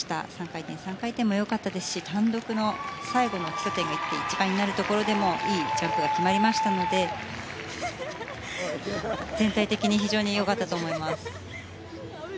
３回転、３回転も良かったですし単独の最後の基礎点が１．１倍になるところでもいいジャンプが決まりましたので全体的に非常に良かったと思います。